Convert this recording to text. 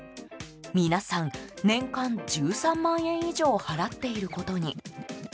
皆さん、年間１３万円以上払っていることに。